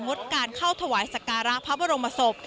ดการเข้าถวายสการะพระบรมศพ